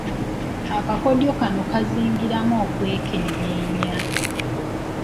Akakodyo kano kaazingiramu okwekenneenya.